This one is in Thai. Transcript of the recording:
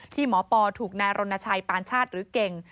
หมอปอถูกนายรณชัยปานชาติหรือเก่ง